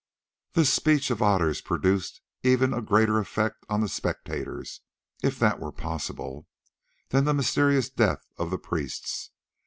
This speech of Otter's produced even a greater effect on the spectators, if that were possible, than the mysterious death of the priests.